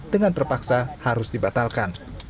dengan terpaksa harus dibatalkan